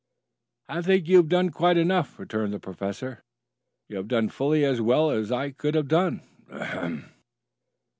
"I think you have done quite enough," returned the professor. "You have done fully as well as I could have done. Ahem!"